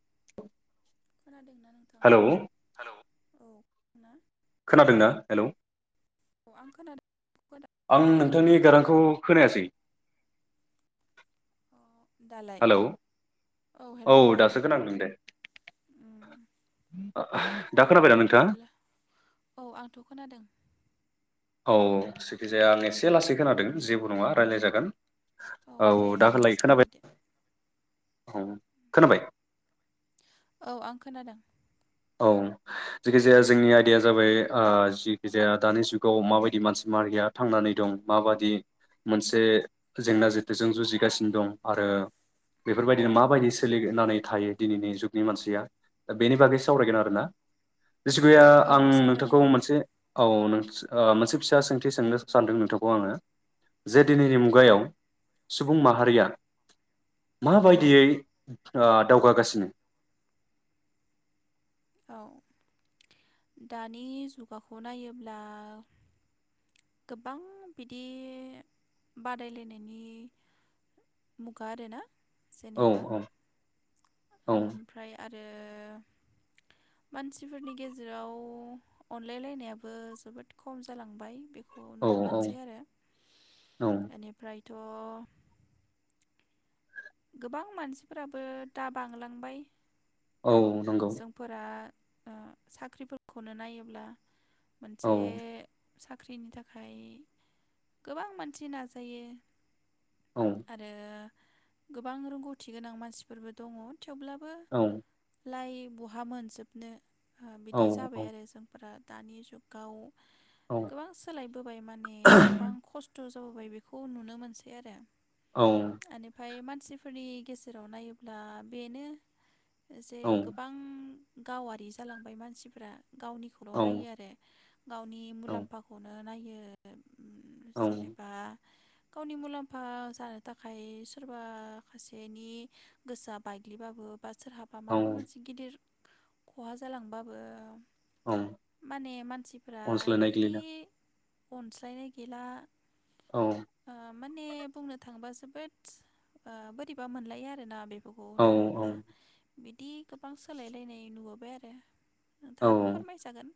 [inaudible] खोनादोंना नोंथाङा? हेलौ हेल औ ना खोनादोंना हेलौ आं खोनादों आं नोंथांनि गारांखौ खोनायासै अ दालाय हेलौ औ हेलौ दालाय दासो खोनादों दे आ, दा खोनाबायना दे नोंथाङा बिदिब्ला औ आंथ खोनादों औ जखिजाया आं एसे लासै खोनादों जेबो नङा रायज्लाय जागोन औ दे दाख मेनेज लायो खोनाबाय? खालायदो औ खोनाबाय औ आं खोनादों औ जखिजाया जोंनि आयदाया जाबाय ओ जिखि जाया दानि जुगाव माबायदि मानसि माहारिया थांनानै दं माबायदि मोनसे जेंना जेथोजों जुजिगासिनो दं आरो बेफोरबायदिनो माबायदि सोलिनानै थायो दिनैनि जुगनि मानसिया दा बेनि बागै सावरायगोन आरोना जेखुया औ आं सावरायनो नोंथांखौ हायो मोनसे औ नों औ मोनसे फिसा सोंथि सोंनो सानदों नोंथांखौ आङो जे दिनैनि मुगायाव सुबुं माहारिया माबायदियै दावगागासिनो? औ दानि जुगाखौ नायोब्ला गोबां बिदि बादायलायनायनि मुगा आरोना औ जेनेबा औ औ ओमफ्राय आ आरो मानसिफोरनि गेजेराव अनलायलायनायाबो जोबोद खम जालांबाय खौ औ नुनो औ मोनसै आरो औ एनिफ्राय द गोबां मानसिफोराबो दा बांलांबाय औ नंगौ जोंफोरा साख्रिफोरखौनो नायोब्ला औ मोनसे साख्रिनि थाखाय गोबां मानसि नाजायो औ आरो गोबां रोंगौथि गोनां मानसिफोरबो दङ थेवब्लाबो औ लाइ बहा मोनजोबनो आ बिदि औ जाबाय औ आरो जोंफोरा दानि जुगाव औ गोबां सोलायबोबाय माने गोबां खस्थ होबोबाय बेखौ नुनो मोनसै आरो। ओनिफ्राय मा सिफोरनि गेजेराव नायोब्ला बेनो जे औ गोबां। गावारि जालांबाय मानसिफ्रा। गावनिखौल नायो आरो। गावनि औ मुलाम्फाखौनो नायो। ओम जेनेबा गावनि मुलाम्फा जानो थाखाय सोरबा सासेनि गोसोआ बायग्लिबाबो बा सोरहा बा माबा औ मोनसे गिदिर खहा जालांबाबो औ माने मानसिफ्रा अनज्लायनाय बिदि गैला अनज्लायनाय गैला। औ। ओ माने बुंनो थाङोबा जोबोद ओ बोरैबा मोनलायो आरोना बे औ औ। बिदि गोबां सोलायलायनाय नुबोबाय आरो। नोंथाङाबो औ फोरमायजागोन।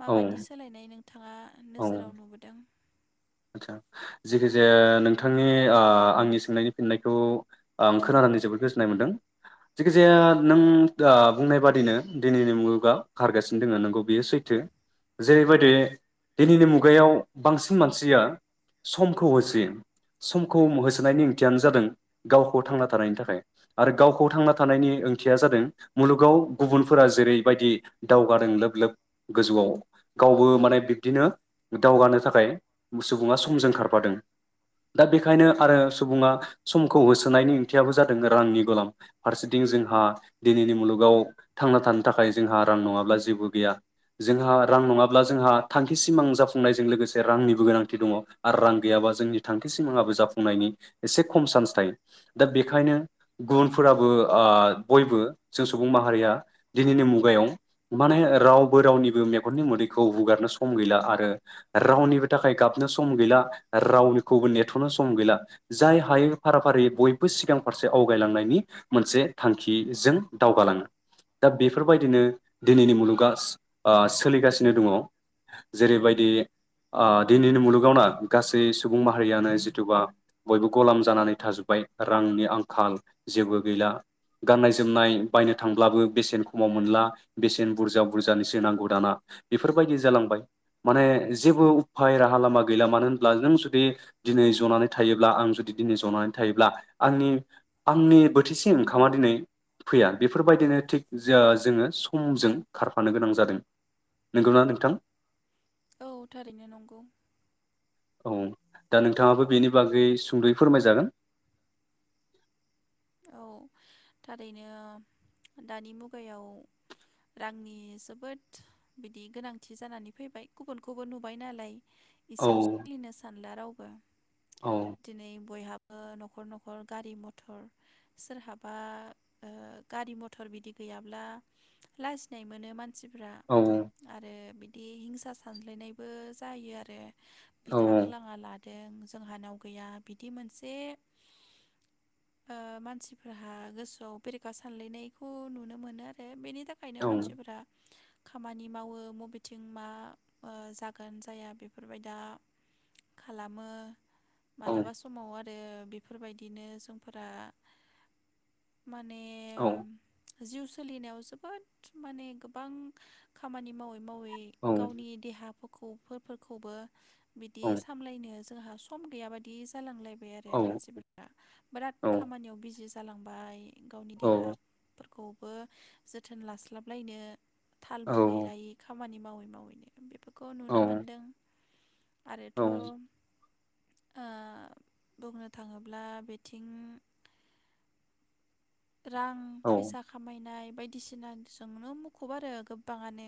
माबायदि औ सोलायनाय बिथाङा औ नोजोराव नुबोदों। आदसा जेखिजाया नोंथांनि ओ आंनि सोंनायनि फिननायखौ आं खोनानानै जोबोद गोजोननाय मोनदों। जखिजाया नों बुंनाय बादिनो दिनैनि मुलुगा खारगासिनो दङ नंगौ बियो सैथो। जेरैबायदि दिनैनि मुगायाव बांसिन मानसि सिया समखौ होसोयो। समखौ होसोनायनि ओंथियानो जादों गावखौ थांना थानायनि थाखाय आरो गावखौ थांना थानायनि ओंथिया जादों मुलुगाव गुबुनफोरा जेरैबायदि दावगादों लोब लोब गोजौआव गावबो माने बिब्दिनो दावगानो थाखाय सुबुङा समजों खारफादों। दा बेखायनो आरो सुबुङा समखौ होसोनायनि ओंथियाबो जादों रांनि गलाम फारसेथिं जोंहा दिनैनि मुलुगाव थांना थानो थाखाय जोंहा रां नङाब्ला जेबो गैया। जोंहा रां नङाब्ला जोंहा थांखि सिमां जाफुंनायजों लोगोसे रांनि गोनांथि दङ आरो रां गैयाबा जोंनि थांखि सिमाङाबो जाफुंनायनि एसे खम सान्स थायो। दा बेखायनो गुबुनफोराबो ओ बयबो जों सुबुं माहारिया दिनैनि मुगायाव माने रावबो रावनिबो मेगननि मोदैखौ हुगारनो सम गैला आरो रावनिबो थाखाय गाबनो सम गैला रावखौबो नेथनो सम गैला जाय हाय फारा फारि बयबो सिगां फारसे आवगायलांनायनि मोनसे थांखिजों दावगालाङो। दा बेफोरबायदिनो दिनैनि मुलुगा ओ सोलिगासिनो दङ जेरैबायदि ओ दिनैनि मुलुगावना गासै सुबुं माहारियानो जिथुबा बयबो गलाम जानानै थाजोब्बाय, रांनि आंखाल जेबो गैला गाननाय जोमनाय बायनो थांब्लाबो बेसेन खमाव मोनला बेसेन बुरजा बुरजानिसो नांगौ दाना बेफोरबायदि जालांबाय माने जेबो उ भाय राहा लामा गैला मानो होनब्ला नों जुदि दिनै जनानै थायोब्ला आं जुदि दिनै जनानै थायोब्ला आंनि आंनि बोथिसे ओंखामा दिनै फैया बेफोरबायदिनो थिग जे जोङो समजों खारफानो गोनां जादों नंगौना नोंथां? औ थारैनो नंगौ। औ दा नोंथाङाबो बेनि बागै सुंदयै फोरमायजागोन। औ थारैनो दानि मुगायाव रांनि जोबोद बिदि गोनांथि जानानै फैबाय गुबुनखौबो नुबाय नालाय। औ इसेयाव सोलिनो सानला राव औ [unintelligible] दिनै बयहा ओ नखर नखर गारि मथर सोरहाबा ओ गारि मथर बिदि गैयाब्ला लाजिनाय मोनो मानसि। मानसिफ्रा औ आरो बि [unintelligible] हिंसा सानज्लायनायबो जायो आरो। औ बिथां लाङा लाद दों जोंहानाव गैया बिदि मोनसे ओ मानसिफोरहा गोसोआव बेरेखा सानलायनायखौ नुनो मोनो आरो बेनि नि थाखायनो औ मानसिफोरा खामानि मावो मबेथिं मा जागोन जाया बेफोरबाय दा खालामो औ मालाबा समाव आरो बेफोरबायदिनो सम फोरा माने औ जिउ सोलिनायाव जोबोद माने गोबां खामानि मावो मावै गावनि देहा खौ फोरखौबो औ बिदि सामलायनो जोंहा सम गैया बादि जालांलाय बाय आरो औ मानसिफोरना बिराद औ खामानियाव बिज जि जालांबाय गावनि देहा फोर खौबो जोथोन लास्लाबलायनो औ तालबो गैलायि खामानि मावै मावैनो बेफोरखौ खौ औ नुनो मोनदों। आरोथ' ओ औ बुंनो थाङोब्ला बे थिं रां फैसा खामायनाय बायदिसिनाजोंनो मुखुब आरो गोब बाङानो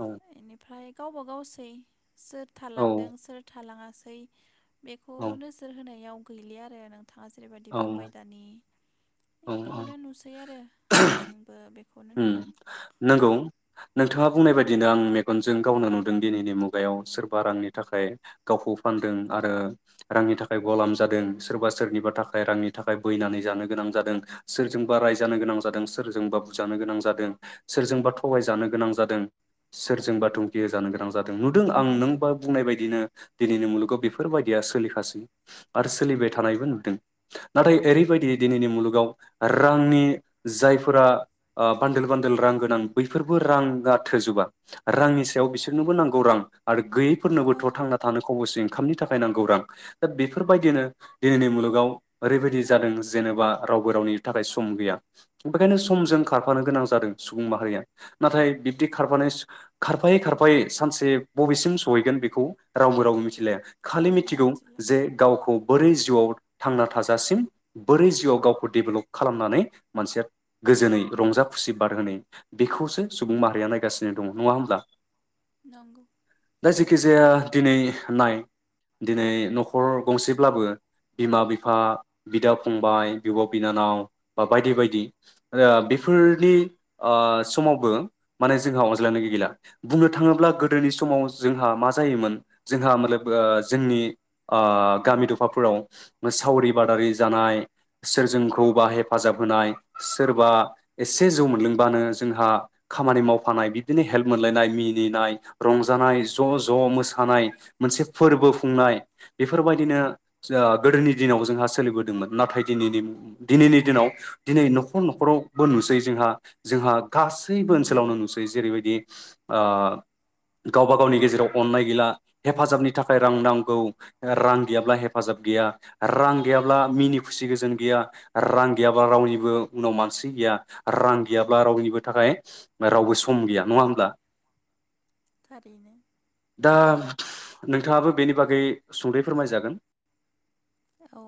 औ बेनिफ्राय गावबा गावसै। सोर थालांदों सोर थालाङा सै बेखौ नोजोर होनायाव गैलिया आरो नों थाङा जेरैबायदि बुंबाय औ दानि औ बेखौनो नुसै आरो आंबो बेखौनो उ नुदों नंगौ नोंथाङा बुंनाय बायदिनो आं मेगनजों गावनो नुदों दिनैनि मुगायाव सोरबा रांनि थाखाय गावखौ फानदों आरो रांनि थाखाय गलामजादों सोरबा सोरनिबा थाखाय रांनि थाखाय बैनानै जानो गोनां जादों सोरजोंबा रायजानो गोनां जादों सोरजोंबा बुजानों जानो गोनां जादों सोरजोंबा थगाय जानो गोनां जादों सोरजोंबा थुमखि जानो गोनां जादों नुदों आं नों बा बुंनाय बायदिनो दिनैनि मुलुगाव बेफोरबायदिया सोलिखासै आरो सोलिबाय थानायबो नुदों। नाथाय ओरैबायदि दिनैनि मुलुगाव रांनि जायफोरा ओ बान्दोल बान्दोल रां गोनां बैफोरबो राङा थोजोबा रांनि सायाव बिसोरनोबो नांगौ रां आरो औ गैयैफोरनोबोथ थांना थानो खबसे ओंखामनि थाखाय नांगौ रां दा बेफोरबायदिनो दिनैनि मुलुगाव ओरैबायदि जादों जेनेबा रावबो रावनिबो थाखाय सम गैया बेखायनो समजों खारफानो गोनां जादों सुबुं माहारिया नाथाय बिब्दि खारफानाय खारफायै खारफायै सानसे बबेसिम सहैगोन बेखौ रावबो राव मिथिलाया खालि रावबो मिथिगौ मिथिला जे गावखौ बोरै जिउआव थांना थाजासिम बोरै जिउआव गावखौ डेभेलप खालामनानै मोनसिया गोजोनै रंजा खुसि बारहोनाय बेखौसो सुबुं माहारिया नायगासिनो दङ नङा होमब्ला नंगौ खि जाया दिनै नाय दिनै न'खर गंसेब्लाबो बिमा बिफा बिदा फंबाय बिब'-बिनानाव बा बायदि बायदि ओ बे बेफोरनि ओ समावबो माने जोंहा अनज्लायनाय गैला। बुंनो थाङोब्ला गोदोनि समाव जोंहा मा जायोमोन जोंहा मतलाब जोंनि ओ गामि दफाफोराव सावरि बादारि जानाय सोरजोंखौबा हेफाजाब होनाय सोरबा एसे जौ मोनलोंबानो जोंहा खामानि मावफानाय बिदिनो हेल्प मोनलायनाय मिनिनाय रंजानाय ज' ज' मोसानाय मोनसे फोरबो खुंनाय बेफोरबायदिनो ओ गोदोनि दिनाव जोंहा सोलिबोदोंमोन नाथाय दिनैनि दिनैनि दिनाव दिनै न'खर न'खराव बो नुसै जोंहा जोंहा गासैबो ओनसोलावनो नुसै जेरैबायदि आ गावबा गावनि गेजेराव अननाय गैला हेफाजाबनि थाखाय रां नांगौ रां गैयाब्ला हेफाजाब गैया रां गैयाब्ला मिनि खुसि गोजोन गैया रां गैयाब्ला रावनिबो उनाव मानसि गैया रां गैयाब्ला रावनिबो थाखाय रावबो सम गैया नङा होमब्ला? थारैनो आं नोंथाङाबो बेनि बागै सुंदै फोरमायजागोन। औ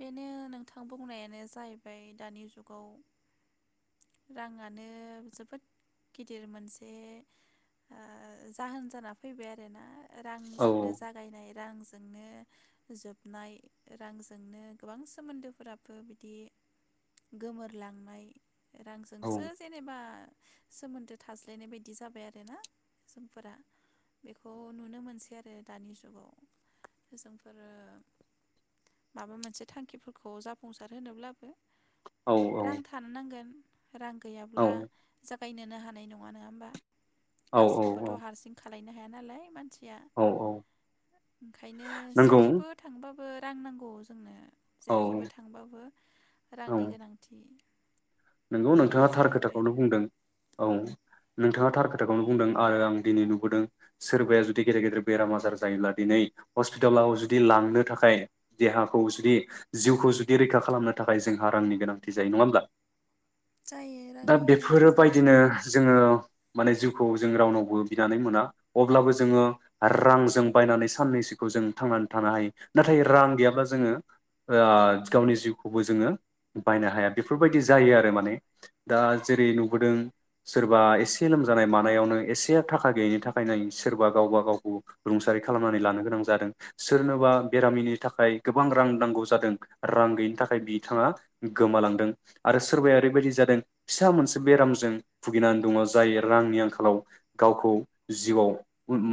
बेनो नोंथां बुंनायानो जाहैबाय दानि जुगाव राङानो जोबोद गिदिर मोनसे ओ जाहोन जाना फैबाय आरोना औ रांजोंनो जागायनाय रांजों जोंनो जोबनाय रांजोंनो गोबां सोमोन्दोफोराबो बिदि गोमोरलांनाय औ रांजोंसो जेनेबा सोमोन्दो थाज्लायनाय बायदि जाबाय आरोना जोंफोरा बेखौ नुनो मोनसै आरो दानि जुगाव जोंफोरो माबा मोनसे थांखिफोरखौ जाफुंसार होनोब्लाबो औ रां थानो नांगोन रां औ गैयाब्ला जागायनोनो हाना नाय नङा नङा होमबा गासैखौबोथ औ हारसिं खा खालायनो हाया नालाय मान सिया औ औ ओंखायनो नंगौ जेखिबो थांबाबो रां नांगौ जोंनो औ जेखिबो थांबाबो रांनि गोनांथि नोंगौ बे नोंथाङा थार जाहैबाय खोथाखौनो आरो बुंदों। औ नोंथाङा थार खोथाखौनो बुंदों आरो आं दिनै नुबोदों सोरबाया जुदि गेदेर गेदेर बेराम आजार जायोब्ला दिनै हस्पिटालाव जुदि लांनो थाखाय देहाखौ जुदि जिउखौ जुदि रैखा खालामनो थाखाय जोंहा रांनि गोनांथि जायो नङा होमब्ला? जायो दा रांनि गोनांथि जायो बेफोरबायदिनो जोंफोर जोङो माने जिउखौ जों रावनावबो बिनानै मोना अब्लाबो जोङो रांजों बायनानै साननैसोखौ जों थांनानै थानो हायो नाथाय रां गैयाब्ला जोङो ओआ गावनि जिउखौबो जोङो बायनो हाया बेफोर बेबायदि जायो आरो माने दा जेरै नुबोदों सोरबा एसे लोमजानाय मानायावनो एसे थाखा गैयिनि थाखायनो सोरबा गावबा गावखौ रुंसारि खालामनानै लानो गोनां जादों सोरनोबा बेरामिनि थाखाय गोबां रां नांगौ जादों रां गैयिनि थाखाय बिथाङा गोमालांदों आरो सोरबाया ओरैबायदि जादों फिसा मोनसे बेरामजों भुगिनानै दङ जाय रांनि आंखालाव गावखौ जिउआव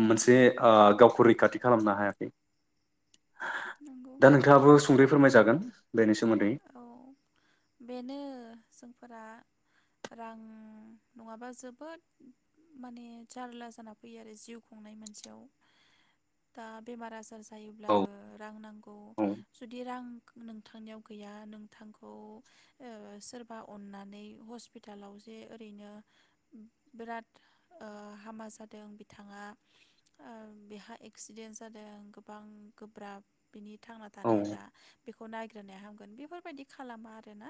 मोनसे आ गावखौ रैखाथि खालामनो हायाखै नंगौ दा नोंथाङाबो सुंदयै फोरमायजागोन बेनि सोमोन्दै औ बेनो ओ जोंफोरा रां नङाबा जोबोद माने जारला जाना फैयो आरो जिउ खुंनाय मोनसेयाव दा बेमार आजार ज औ जायोब्लाबो रां नांगौ औ जुदि रां नोंथांनियाव गैया नोंथांखौ ओ सोरबा अन्नानै हस्पिटालाव जे ओरैनो बिराद ओ हामा जादों बिथाङा ओ बेहा एक्सिडेन्ट जादों गोबां गोब्राब बिनि थांना औ थानाया दा बेखौ नायग्रोनाया हाम बेफोरबायदि खालामा आरोना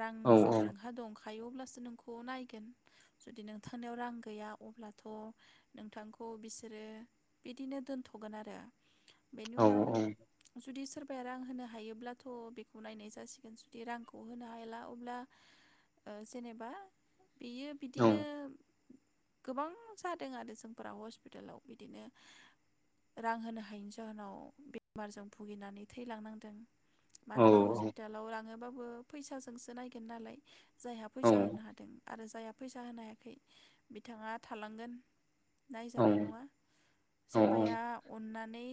रां औ औ जुदि नोंहा दं खायो अब्लासो नोंखौ नायगोन जुदि नोंथांनियाव रां गैया अब्लाथ नोंथांखौ बिसोरो बिदिनो दोनथ'गोन आरो बेनि औ उनाव जुदि सोरबा उफाया रां होनो हायोब्लाथ' बे खौ नायनाय जासिगोन जुदि रांखौ होनो हायाला ओ अब्ला जेनेबा बेयो औ बिदिनो गोबां जादों आरो जोंफोरा हस्पिटालाव बिदिनो रां होनो हायैनि जाहोनाव बेमारजों भुगिनानै थैलांनांदों औ मानो होनोबा हस्पिटालाव लाङोबा बो फैसाजोंसो नायगोन नालाय जायहा फैसा होनो औ हादों आरो जायहा फैसा होनो हायाखै बिथाङा थालांगोन नायजानाय नङा सोरबाया औ अननानै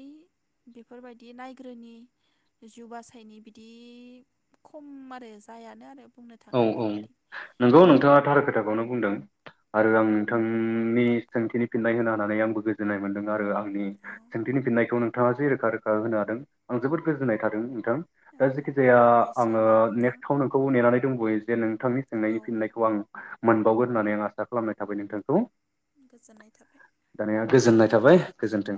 बेफोरबायदि नायग्रोनि जिउ बासायनि बि बिदि खम आरो जायानो आरो बुंनो औ थाङोब्ला औ बिदि नंगौ नोंथाङा थार खोथाखौनो बुंदों आरो आं नोंथांनि सोंथिनि फिननाय होनो हानानै आंबो गोजोननाय मोनदों आरो आंनि औ सोंथिनि फिननायखौ नोंथाङा जे रोखा रोखा होनो हादों आं जोबोद गोजोननाय थादों थां औ दा जेखि जाया हामबायसै आङो होमबा नोंथां नेक्स्टाव नोंखौ नेनानै दंबयो जे नों बिथांनि औ सोंनायनि फिननायखौ आं मोनबावगोन होननानै आं आसा खालामनाय थाबाय नोंथांखौ गोजोननाय थाबाय दानिया गोजोननाय थाबाय गोजोन्थों।